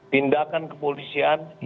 tindakan kepolisian yang